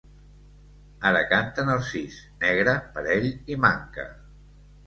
Ara canten el sis, negre, parell i manca.